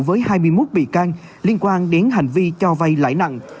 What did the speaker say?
với hai mươi một bị can liên quan đến hành vi cho vay lãi nặng